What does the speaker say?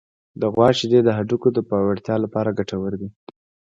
د غوا شیدې د هډوکو پیاوړتیا لپاره ګټورې دي.